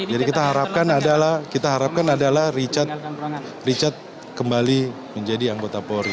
jadi kita harapkan adalah richard kembali menjadi anggota polri